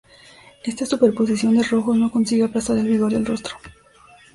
Esta superposición de rojos no consigue aplastar el vigor del rostro.